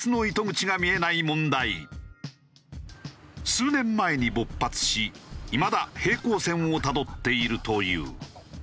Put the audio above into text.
数年前に勃発しいまだ平行線をたどっているという。